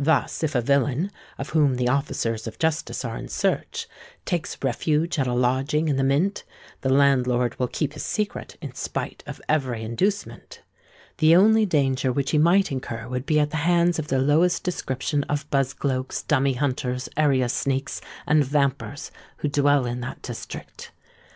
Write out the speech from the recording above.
Thus, if a villain, of whom the officers of justice are in search, takes refuge at a lodging in the Mint, the landlord will keep his secret in spite of every inducement. The only danger which he might incur would be at the hands of the lowest description of buzgloaks, dummy hunters, area sneaks, and vampers who dwell in that district.